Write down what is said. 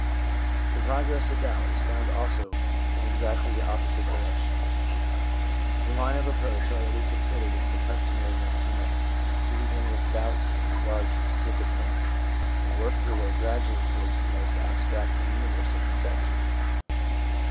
The progress of doubt is found also in exactly the opposite direction. The line of approach already con sidered is the customary one for men, who begin with doubts in regard to specific things, and work their way gradually towards the most abstract and universal conceptions.